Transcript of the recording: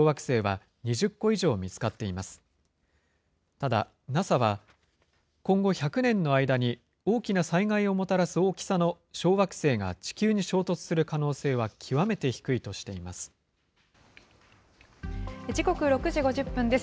ただ、ＮＡＳＡは、今後１００年の間に大きな災害をもたらす大きさの小惑星が地球に衝突する可能性は極めて低いとしています。